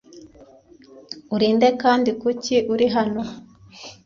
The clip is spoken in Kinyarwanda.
Uri nde kandi kuki uri hano?